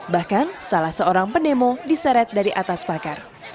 bahkan salah seorang pendemo diseret dari atas pakar